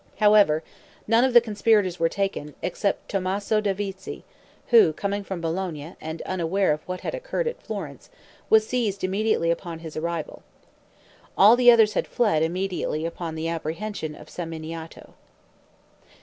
However, none of the conspirators were taken, except Tommaso Davizi, who, coming from Bologna, and unaware of what had occurred at Florence, was seized immediately upon his arrival. All the others had fled immediately upon the apprehension of Samminiato.